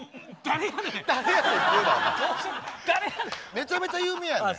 めちゃめちゃ有名やねん！